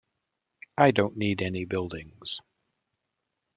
I don't need any buildings.